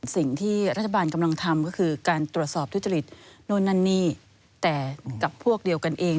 สิ่งที่รัฐบาลกำลังทำก็คือการตรวจสอบทุจริตโน่นนั่นนี่แต่กับพวกเดียวกันเอง